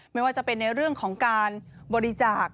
ไม่ว่าจะเป็นในเรื่องของการบริจาค